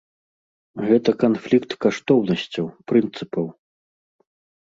Гэта канфлікт каштоўнасцяў, прынцыпаў.